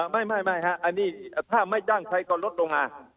ไม่ฮะอันนี้ถ้าไม่จ้างใครก็ลดลงมา